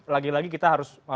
lagi lagi kita harus